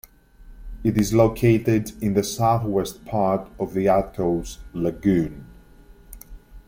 It is located in the southwest part of the atoll's lagoon.